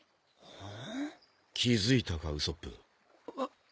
気付いたかウソップあ